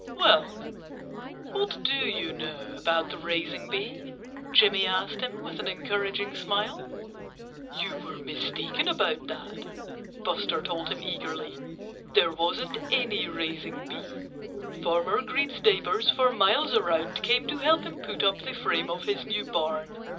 "Well, what do you know about the raising bee?" Jimmy asked him with an encouraging smile. "You were mistaken about that," Buster told him eagerly. "There wasn't any raising bee. Farmer Green's neighbors for miles around came to help him put up the frame of his new barn.